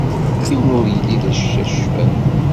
Yiwen ur yelli d acacfal.